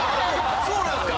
そうなんですか？